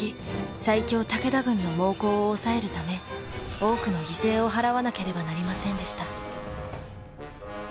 最強武田軍の猛攻を抑えるため多くの犠牲を払わなければなりませんでした。